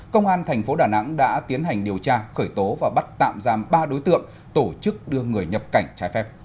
công an thành phố đà nẵng đã tiến hành điều tra khởi tố và bắt tạm giam ba đối tượng tổ chức đưa người nhập cảnh trái phép